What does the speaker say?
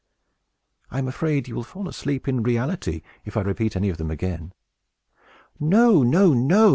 I am afraid you will fall asleep in reality, if I repeat any of them again." "No, no, no!"